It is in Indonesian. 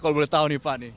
kalau boleh tahu nih pak nih